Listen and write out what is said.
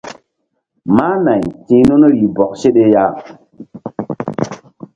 Máh nay ti̧h nun rih bɔk seɗe.